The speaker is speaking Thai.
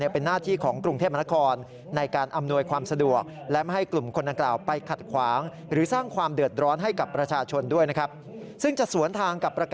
เป็นหน้าที่ของกรุงเทพฯมหานคร